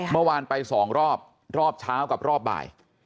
เมื่อวานไป๒รอบรอบเช้ากับรอบบ่าย